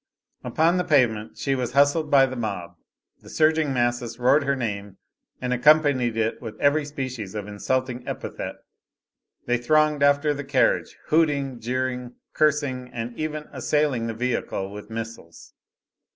Upon the pavement she was hustled by the mob, the surging masses roared her name and accompanied it with every species of insulting epithet; they thronged after the carriage, hooting, jeering, cursing, and even assailing the vehicle with missiles.